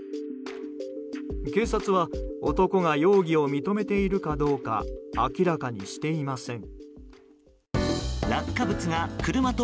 警察は男が容疑を認めているかどうか明らかにしていません。